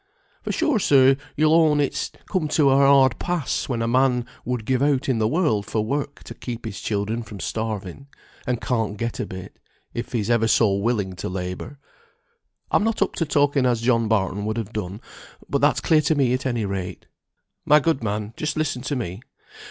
For sure, sir, you'll own it's come to a hard pass when a man would give aught in the world for work to keep his children from starving, and can't get a bit, if he's ever so willing to labour. I'm not up to talking as John Barton would have done, but that's clear to me at any rate." "My good man, just listen to me.